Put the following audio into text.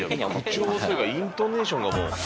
口調というかイントネーションがもう。